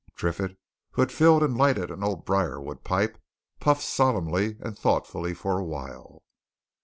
Triffitt, who had filled and lighted an old briarwood pipe, puffed solemnly and thoughtfully for a while.